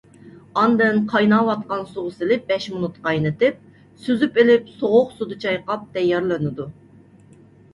ئاندىن قايناۋاتقان سۇغا سېلىپ بەش مىنۇت قاينىتىپ، سۈزۈپ ئېلىپ سوغۇق سۇدا چايقاپ تەييارلىنىدۇ.